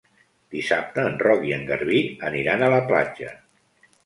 Dissabte en Roc i en Garbí aniran a la platja.